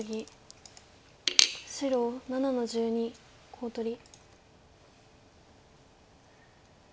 白７の十二コウ取り。